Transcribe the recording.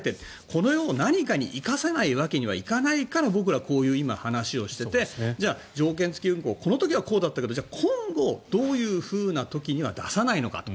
これを何かに生かさないわけにはいかないから僕らはこういう話を今していてじゃあ条件付き運航この時はこうだったけど今後はどういう時には出さないのかと。